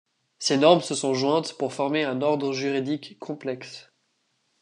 Ces normes se sont jointes pour former un ordre juridique complexe.